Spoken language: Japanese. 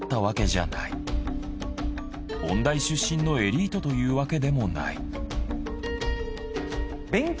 音大出身のエリートというわけでもない。